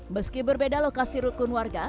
meski berbeda lokasi rukun warga